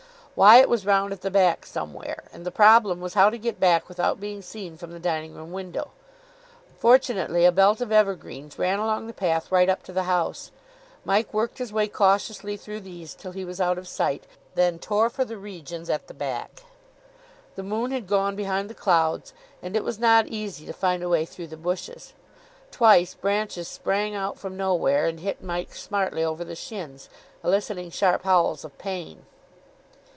Wyatt was round at the back somewhere, and the problem was how to get back without being seen from the dining room window. Fortunately a belt of evergreens ran along the path right up to the house. Mike worked his way cautiously through these till he was out of sight, then tore for the regions at the back. The moon had gone behind the clouds, and it was not easy to find a way through the bushes. Twice branches sprang out from nowhere, and hit Mike smartly over the shins, eliciting sharp howls of pain.